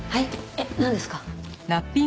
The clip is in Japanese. えっなんですか？